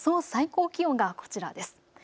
最高気温がこちらです。